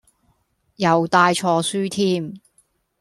又帶錯書添